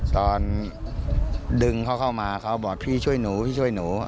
ตอนดึงเขาเข้ามาเขาบอกพี่ช่วยหนูพี่ช่วยหนู